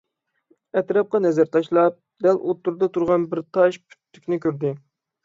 ئەتراپقا نەزەر تاشلاپ، دەل ئوتتۇرىدا تۇرغان بىر تاش پۈتۈكنى كۆردى.